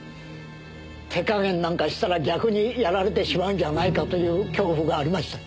手加減なんかしたら逆にやられてしまうんじゃないかという恐怖がありました。